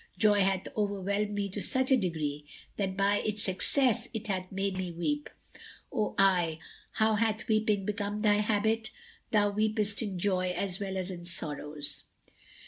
Joy hath overwhelmed me to such a degree that by its excess it hath made me weep. O eye, how hath weeping become thy habit? Thou weepest in joy as well, as in sorrows."